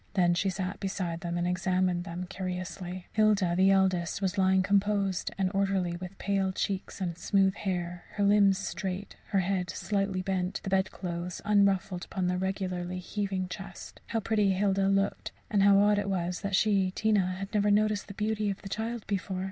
Then she sat beside them and examined them curiously. Hilda, the eldest, was lying composed and orderly, with pale cheek and smooth hair, her limbs straight, her head slightly bent, the bedclothes unruffled upon the regularly heaving chest. How pretty Hilda looked, and how odd it was that she, Tina, had never noticed the beauty of the child before!